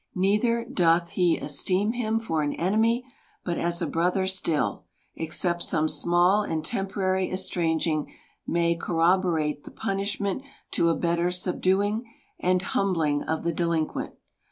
Neither doth he esteem him for an enemy, but as a brother still ; except some small and temporary estranging may corroborate the punish ment to a better subduing and humbling of the delin quent.